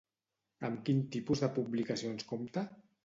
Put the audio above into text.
Amb quin tipus de publicacions compta?